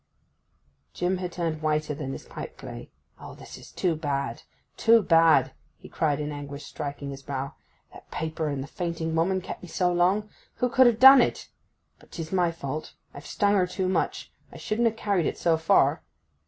Jim had turned whiter than his pipeclay. 'O, this is too bad—too bad!' he cried in anguish, striking his brow. 'That paper and that fainting woman kept me so long. Who could have done it? But 'tis my fault. I've stung her too much. I shouldn't have carried it so far.